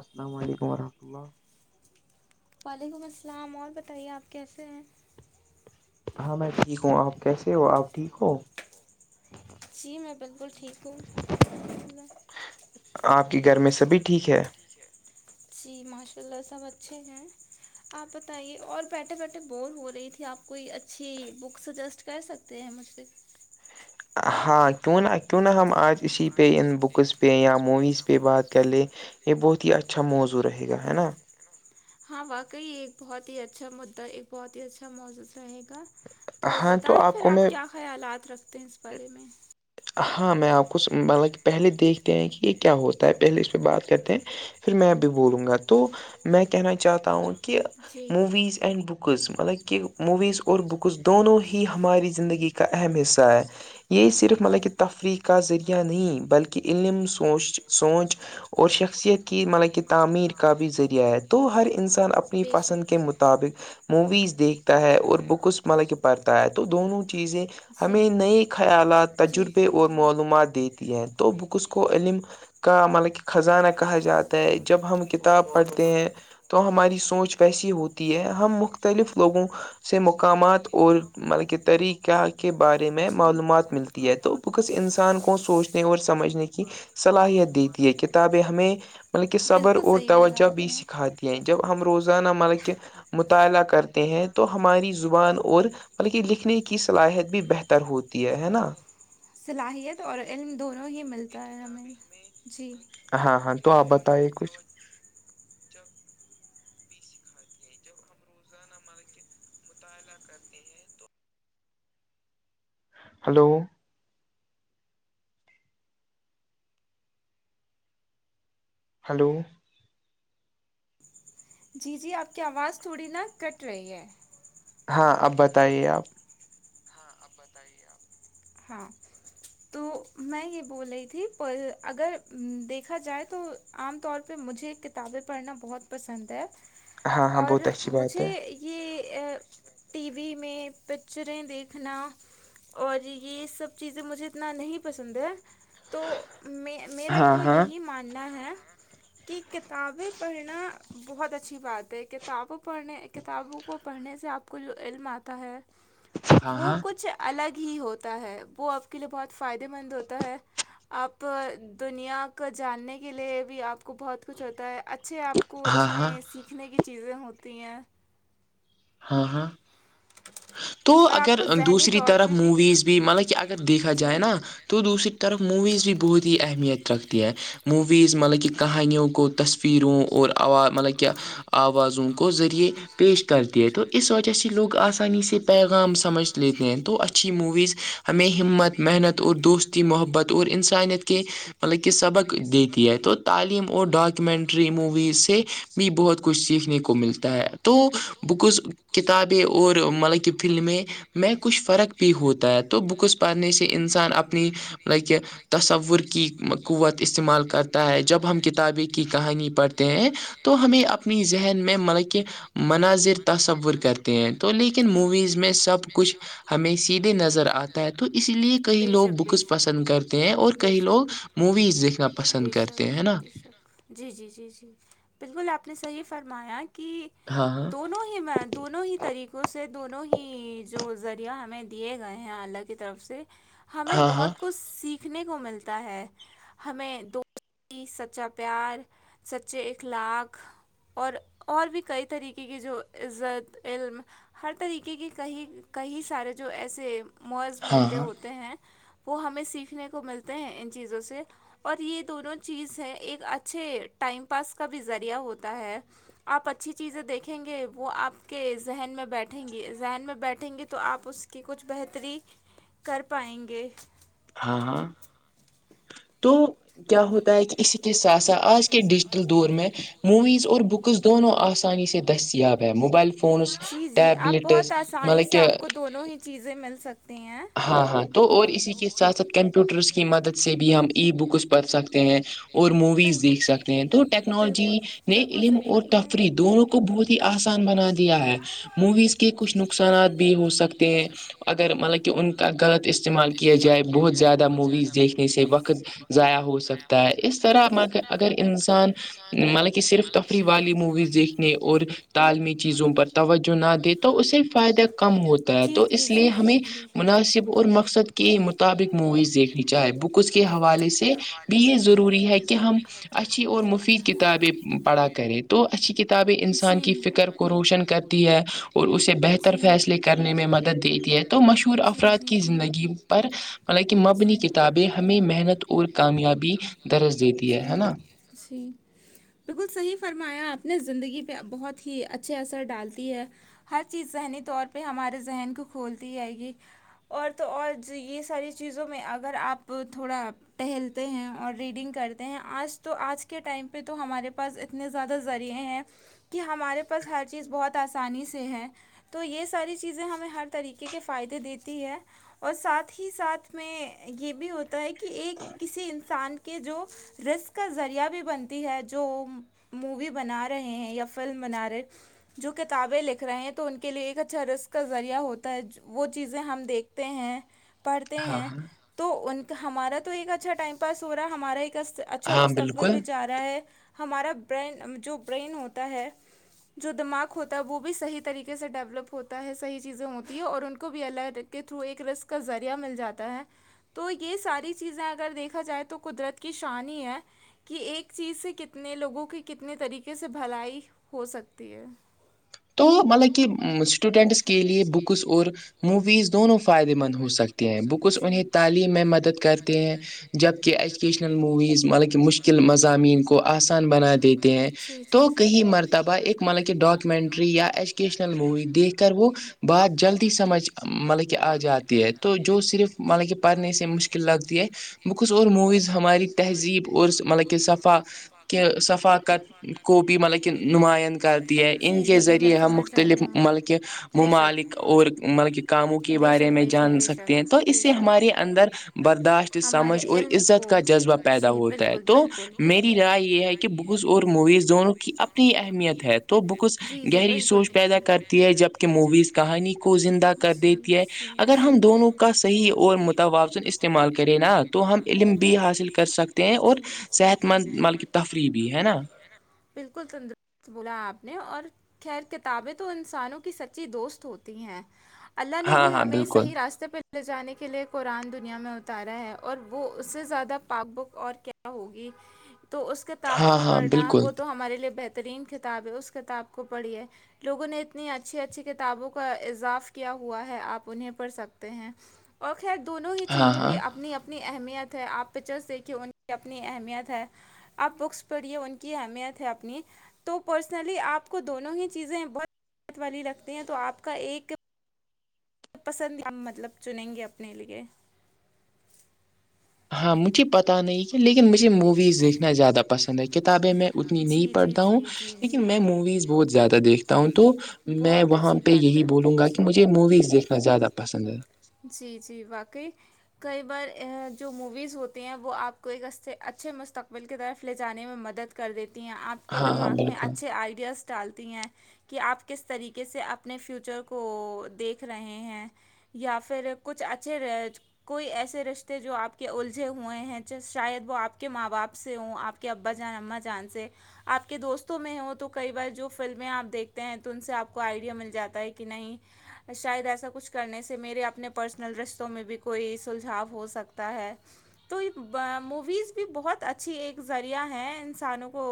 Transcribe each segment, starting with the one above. السلام علیکم رحمۃ اللہ وعلیکم السلام اور بتائیے اپ کیسے ہیں ہاں میں ٹھیک ہوں آپ کیسے ہو آپ ٹھیک ہو جی میں بالکل ٹھیک ہوں آپ کے گھر میں سبھی ٹھیک ہے جی ماشاء اللہ سب اچھے ہیں آپ بتائیے اور بیٹھے بیٹھے بور ہو رہی تھی آپ کوئی اچھی بک سجیسٹ کر سکتے ہے مجھ سے ہاں کیوں نہ کیوں نہ ہم آج اسی پہ ان بکس پہ یا موویز پہ بات کر لیں یہ بہت ہی اچھا موضوع رہے گا ہے نا ہاں واقعی ایک بہت ہی اچھا مدا ایک بہت ہی اچھا موجوس رہے گا تو ہاں بتائیں پھر کو آپ میں کیا خیالات رکھتے ہیں اس بارے میں ہاں میں آپ کو مطلب کہ پہلے دیکھتے ہیں کہ یہ کیا ہوتا ہے پہلے اس میں بات کرتے ہیں پھر میں بھی بولوں گا تو میں کہنا چاہتا ہوں کہ جی موویز اینڈ بک بکز مطلب کہ موویز اور بکز دونوں ہی ہماری زندگی کا اہم حصہ ہے یہ صرف مطلب کہ تفریح کا ذریعہ نہیں بلکہ عللم سوچ سوچ اور شخصیت کی مطلب کہ تعمیر کا بھی ذریعہ ہے تو ہر انسان اپنی بے پسند شک کے مطابق موویز دیکھ ہے اور بک اس مطلب کہ پڑھتا ہے تو دونوں چیزیں جی ہمیں نئی آلات جی تجربے جی اور جی معلومات دیتی ہیں تو بکس کو علم کا مطلب کہ خزانہ کہا جاتا ہے جب ہم کتاب پڑھتے ہیں تو ہماری سوچ ویسی ہوتی ہے ہم مختلف لوگوں سے مقامات اور مطلب کے طریقہ کے بارے میں جی معلومات ملتی ہے تو کس انسان کو سوچنے اور سمجھنے کی صلاحیت دیتی ہے کتاب ہمیں بلکہ صبر بالکل اور صحیح بولا توجہ آپ بھی نے سکھات دیا جب ہم روزانہ مطلب کہ مطالعہ کرتے ہیں تو ہماری زبان اور بلکہ لکھنے کی صلاحیت بھی بہتر ہوتی ہے ہے نا صلاحیت اور علم دونوں ہی ملتا ہے ہمیں جی ہاں ہاں تو آپ بتائیے کچھ مطالعہ کرتے ہیں تو ہلو ہلو جی جی آپ کی آواز تھوڑی نا کٹ رہی ہے ہاں اب بتائیے آپ بتائیے آپ ہاں ا [inaudible] تو میں یہ بول رہی تھی اگر دیکھا جائے تو عام طور پہ مجھے ک ب م ہاں ہاں بہت اچھی بات ہے [unintelligible] یہ ٹی وی میں پکچریں دیکھ رکھنا اور یہ سب چیزیں مجھے اتنا نہیں پسند ہے تو میں میرا ہاں تو ہاں یہی ماننا ہے کہ کتابیں پڑھنا بہت اچھی بات ہے کتابوں پڑھنے کتابوں کو پڑھنے سے آپ کو جو علم آتا ہے ہاں وہ ہاں کچھ الگ ہی ہوتا ہے وہ آپ کے لیے بہت فائدے مند ہوتا ہے آپ دنیا کو جاننے کے لیے بھی آپ کو بہت کچھ ہوتا ہے اچھا اچھے آپ کو ہاں ہاں اس میں سیکھنے کی چیزیں ہوتی ہیں ہاں ہاں تو اور آپ اگر کو ذہنی دوسری طور طرف پہ موویز بھی مطلب کہ اگر دیکھا جائے نا تو دوسری طرف موویز بھی بہت ہی اہمیت رکھتی ہیں موویز مطلب کہ کہانیوں کو تصویروں اوراز مطلب کہ آوازوں کو ذریعے پیش کرتی ہے تو اس وجہ سے لوگ آسانی سے پیغام سمجھ لیتے ہیں تو اچھی موویز ہمیں ہمت محنت اور دوست محبت اور انسانیت کے مطلب کہ سبق دیتی ہے تو تعلیم اور ڈاکیومینٹری موویز سے بھی بہت کچھ سیکھنے کو ملتا ہے تو بکز کتابیں اور مطلب کہ فلم میں میں کچھ فرق بھی ہوتا ہے تو بکس پڑھنے سے انسان اپنی لائک تصور کی قوت استعمال کرتا ہے جب ہم کتابیں کی کہانی پڑھتے ہیں تو ہمیں اپنی ذہن میں مطلب کہ مناظر تصور کرتے ہیں تو لیکن موویز میں سب کچھ ہمیں سیدھے نظر آتا ہے تو اسی لیے کئی لوگ بکس پسند کرتے ہیں اور کئی لوگ موویز دیکھنا پسند بے کرتے ہیں ہے نا شک جی جی جی جی بالکل آپ نے صحیح فرمایا کہ ہاں دونوں ہی میں دونوں ہی [unintelligible] طریقوں سے دونوں ہی جو ذریعہ ہمیں دیے گئے ہیں اللہ کی طرف سے [unintelligible] ہمیں ہاں ہاں بہت کچھ سیکھنے کو ملتا ہے ہمیں دو سچا پیار سچے اخلاق [unintelligible] اور اور بھی کئی طریقے کی جو عزت علم ہر طریقے کے کئی کئی سارے جو ایسے موض ہاں ہاں مدے ہوتے ہیں وہ ہمیں سیکھنے کو ملتے ہیں ان چیزوں سے اور یہ دونوں چیز ہے ایک اچھے ٹائم پاس کا بھی ذریعہ ہوتا ہے آپ اچھی چیزیں دیکھیں گے وہ آپ کے ذہن میں بیٹھیں گی ذہن میں بیٹھیں گی تو آپ اس [unintelligible] کہ کچھ بہتری کر پائیں گے ہاں ہاں [unintelligible] [unintelligible] موویز اور بکس دونوں آسانی سے دستیاب ہے موبائل فونز جی آپ ٹیبلٹس بہت آسانی مطلب سے کہ آپ کو دونوں ہی چیزیں مل سکتی ہیں ہاں ہاں تو اور اسی کے ساتھ ساتھ کمپیوٹرس کی مدد سے بھی ہم ای بکس پڑھ سکتے ہیں اور موویز دیکھ سکتے ہیں تو ٹیکنالوجی نے علم اور تفریح آپ دونوں کو بہت ہی آسان بنا دیا ہے موویز کے کچھ نقصانات بھی ہو سکتے ہیں اگر مطلب ان کا غلط استعمال کیا جائے بہت زیادہ موویز دیکھنے سے وقت ضائع ہو سکتا ہے اس طرح اگر انسان مطلب کہ صرف تفریح والی موویز دیکھنے اور تعالمی چیزوں پر توجہ نہ دے تو اس سے فائدہ کم ہوتا ہے تو اس لیے ہمیں مناسب اور مقصد کے مطابق موویز دیکھنی چاہے بکس کے حوالے سے بھی یہ ضروری ہے کہ ہم اچھا اچھی اور مفید کتابیں پڑھا کریں تو اچھی کتابیں انسان کی فکر کو روشن کرتی ہے اور اسے بہتر فیصلے کرنے میں مدد دیتی ہے تو مشہور افراد کی زندگی پر مال کہ مبنی کتابیں ہمیں محنت اور کامیابی درج دیتی ہے ہے نا اسی بالکل صحیح فرمایا آپ نے زندگی پہ بہت ہی اچھے اثر ڈالتی ہے ہر چیز ذہنی طور پہ ہمارے ذہن کو کھولتی جئے گی اور تو اور یہ ساری چیزوں میں اگر آپ تھوڑا ٹہلتے ہیں اور ریڈنگ کرتے ہیں آج تو آج کے ٹائم پہ تو ہمارے پاس اتنے زیادہ ذریعے ہیں کہ ہمارے پاس ہر چیز بہت آسانی سے ہے تو یہ ساری چیزیں ہمیں ہر طریقے کے فائدے دیتی ہے اور ساتھ ہی ساتھ اس میں یہ بھی ہوتا ہے کہ ایک کسی انسان کے جو رسک کا ذریعہ بھی بنتی ہے جو مووی بنا رہے ہیں یا فلم بنا رہے جو کتابیں لکھ رہے ہیں تو ان کے لیے ایک اچھا رسق کا ذریعہ ہوتا ہے وہ چیزیں ہم دیکھتے ہیں پڑھتے ہاں ہیں ہاں تو ان کا ہمارا تو ایک اچھا ٹائم پاس ہو رہا ہے ہمارا ایک اچھا ہاں مستقبل بالکل بھی جا رہا ہے ہمارا برین جو برین ہوتا ہے جو دماغ ہوتا ہے وہ بھی صحیح طریقے سے ڈیولپ ہوتا ہے صحیح چیزیں ہوتی ہیں اور ان کو بھی الگ تھرو ایک رسک کا ذریعہ مل جاتا ہے تو یہ ساری چیزیں اگر دیکھا جائے تو قدرت کی شانی ہے کہ ایک چیز سے کتنے لوگوں کی کتنے طریقے سے بھلائی ہو سکتی ہے تو مطلب کہ اسٹوڈنٹس کے لیے بکس اور موویز دونوں فائدے مند ہو سکتے ہیں بکس جی انہیں تعلیم میں مدد کرتے ہیں جبکہ ایچ وکیشنل موویز مطلب کہ مشکل مضامین کو آسان بنا دیتے ہیں جی جی تو جی کہیں مرتبہ ایک مطلب کہ ڈاکومنٹ ری یا ایجوکیشنل مووی دیکھ کر وہ بات جلدی سمجھ مطلب آ جاتی ہے تو جو صرف مطلب کہ پڑھنے سے مشکل لگتی ہے وہ کچھ اور موویز ہماری تہذیب عرس مطلب کہ صثفا کے ثفاقت کو بھی ملب کہ نماند کرتی ہے ان جی کے جی جی میں ذریعے ہم سمجھ رہی مختلف ہوں ملک بے شک ممالک اور ملک کاموں کے بے بارے شک میں بے شک جان بے سکتے ہیں شک تو بے اسے شک ہمارے اندر برداشت سمجھ اور عزت کا جذبہ پیدا ہوتا ہے تو میری رائے یہ ہے کہ بکس اور موویز دونوں کی اپنی اہمیت ہے تو بکس جی جی گہری بالکل سوچ جی پیدا کرتی ہے جبک موویز کہانی کو زندہ کر دیتی ہے اگر ہم دونوں کا صحیح اور متوازن استعمال کریں نا تو ہم علم بھی حاصل کر سکتے ہیں اور صحت مند مطلب کہ تفریح بھی ہے نا بالکل تندرست بولا آپ نے اور خیر کتابیں تو انسانوں کی سچی دوست ہوتی ہیں اللہ نے ہاں بھی ہاں ہمیں بالکل صحی راستے پہ ل لے جانے کے لیے قرآن دنیا میں اتارا ہے اور وہ اس سے زیادہ پاک بک اور کیا ہوگی تو اس کتاب ہاں کو ہاں پڑھنا بالکل وہ تو ہمارے لیے بہترین کتاب ہے اس کتاب کو پڑھی ہے لوگوں نے اتنی اچھی اچھی کتابوں کا اضاف کیا ہوا ہے آپ انہیں پڑھ سکتے ہیں اور خیر دونوں ہی ہاں چیزوں ہاں کی اپنی اپنی اپنی اہمیت ہے آپ پچرس دیکھیے ان کی اپنی اہمیت ہے آپ بکس پڑھیے ان کی اہمیت ہے اپنی تو پرسنلی آپ کو دونوں ہی چیزیں بہت والی رکھتی ہیں تو آپ کا ایک پسند نہیں مطلب چنیں گے اپنے لیے ہاں مجھے پتاہ نہیں لیکن مجھے موویز دیکھنا زیادہ پسند ہے کتابیں میں اتنی جی نہیں جی پڑھتا ہوں جی جی لیکن جی میں مویز بہت زیادہ دیکھتا ہوں تو میں بہت وہاں اچھی پہ بات یہی ہے بولوں گا کہ جی مجھے موویز دیکھ زیادہ پسند ہے جی جی واقعی کئی بار جو موویز ہوتی ہیں وہ آپ کو ایک ا سے اچھے مستقبل کی طرف لے جانے میں مدد کر دیتی ہیں آپ کے ہاں دماغ میں اچھے آئیڈیاز التی ہیں کہ آپ کس طریقے سے اپنے فیوچر کو دیکھ رہے ہیں یا پھر کچھ اچھے کوئی ایسے رشتے جو آپ کے الجھے ہوئے ہیں شاید وہ آپ کے ماں باپ سے ہوں آپ کے کہ ابا جان اماں جان سے آپ کے دوستوں میں وہ تو کئی بار جو فلمیں آپ دیکھتے ہیں تو ان سے آپ کو آئیڈیا مل جاتا ہے کہ نہیں شاید ایسا کچھ کرنے سے سے میرے اپنے پرسنل رشتوں میں بھی کوئی سلجھاؤ ہو سکتا ہے تو یہ موویز بھی بہت اچھی ایک ذریعہ ہیں انسانوں کو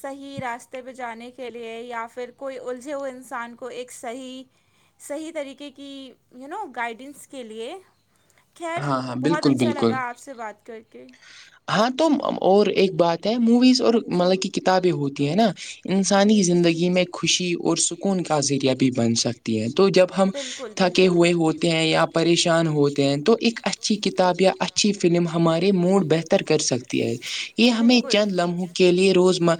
صحیح راستے پہ جانے کے لیے یا پھر کوئی الجھے ہوئے انسان کو ایک صحیح صحیح طریقے کی یو نو گائیڈنس کے لیے خیر ہاں ہاں بہت بالکل اچھا بالکل لگا آپ سے بات کر کے ہاں تو اور ایک بات ہے موویز اور جی مطلب کہ کتابیں ہوتی ہیں نا جی انسانی جی جی زندگی میں خوشی اور سکون کا ذریعہ بھی بن سکتی ہے تو جب ہم بالکل تھکے بالکل ہوئے ہوتے ہیں یا پریشان ہوتے ہیں تو ایک اچھی کتاب یا اچھی فلم ہمارے موڈ بہتر کر سکتی ہے یہ ہمیں بالکل چند لمحوں کے لیے روزمہ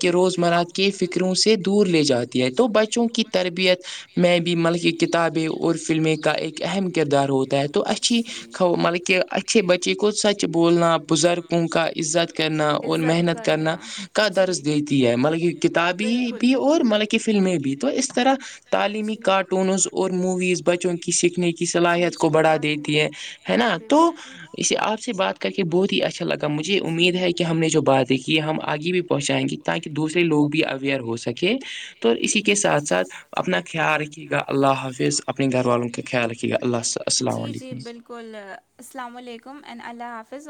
کہ روزمرہ کے کے فکروں سے دور لے جاتی ہے تو بچوں کی تربیت میں بھی ملب کتابیں اور فلمیں کا ایک اہم کردار ہوتا ہے تو اچھی جی مطلب کہ اچھے بچے کو سچ بولنا بزرگوں کا عزت کرنا اور محنت کرنا کا جی درس دیتی ہے مطلب کہ کتابی بالکل بھی اور بالکل ملکی فلمیں بھی تو اس طرح تعلیمی جی کارٹونز اور موویز بچوں کی سیکھنے کی جی صلاحیت کو جی بڑھا دیتی ہے واقعی ہے نا واقعی تو واقعی اسے آپ سے بات کر کے بہت اچھا لگا مجھے جی امید ہے کہ ہم نے جو باتیں کی ہم آگے بھی پہنچائیں گے تاکہ دوسرے لوگ بھی اویئر ہو سکے کہ تو اسی کے ساتھ ساتھ اپنا خیال رکھیے گا اللہ حافظ اپنے گھر والوں کا خیال رکھیے گا اللہ گا السلام جی جی علیکم بالکل السلام علیکم اینڈ اللہ حافظ